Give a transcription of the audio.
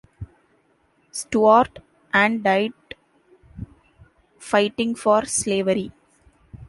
Stuart, and died fighting for slavery.